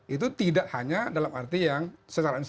itu tidak hanya dalam arti yang secara institusi